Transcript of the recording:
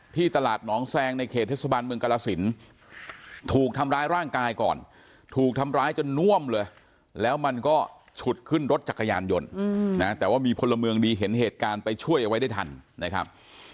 ที่คนละเมืองดีเห็นเหตุการณ์ไปช่วยไว้ทันนะครับ